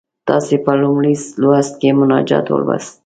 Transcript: تاسې په لومړي لوست کې مناجات ولوست.